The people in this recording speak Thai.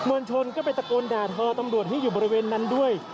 วลชนก็ไปตะโกนด่าทอตำรวจที่อยู่บริเวณนั้นด้วย